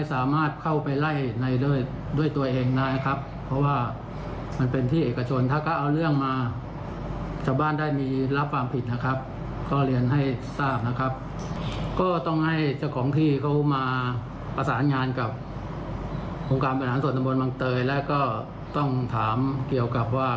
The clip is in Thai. สถานสนบนบังเตยแล้วก็ต้องถามเกี่ยวกับว่า